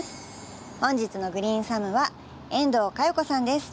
本日のグリーンサムは遠藤佳代子さんです。